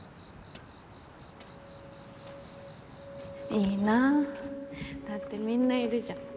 いいなぁだってみんないるじゃん